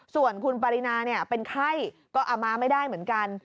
ส่วนคุณปรินาเป็นไข้ก็เอามาไม่ได้เหมือนกัน